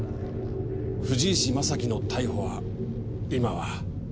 藤石正輝の逮捕は今は。